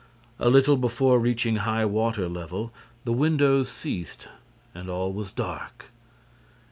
A little before reaching high water level, the windows ceased and all was dark.